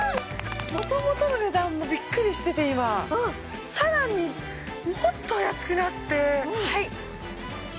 もともとの値段もびっくりしてて今更にもっと安くなって！